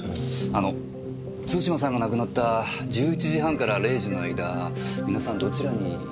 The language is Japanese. あの津島さんが亡くなった１１時半から０時の間皆さんどちらに？